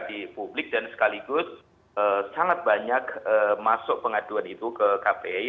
di publik dan sekaligus sangat banyak masuk pengaduan itu ke kpi